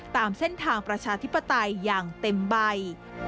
ตามเส้นทางประชาธิปไตยอย่างเต็มใบ